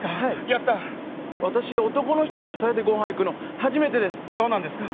やった私男の人と２人でご飯行くの初めてですそうなんですか